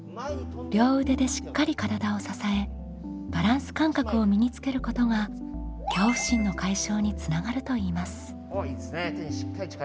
両腕でしっかり体を支えバランス感覚を身につけることが恐怖心の解消につながるといいます。